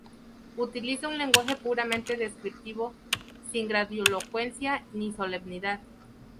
Utiliza un lenguaje puramente descriptivo, sin grandilocuencia ni solemnidad.